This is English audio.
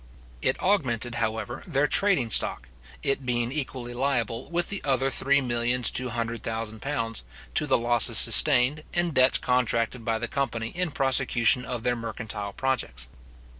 It augmented, however, their trading stock, it being equally liable with the other three millions two hundred thousand pounds, to the losses sustained, and debts contracted by the company in prosecution of their mercantile projects.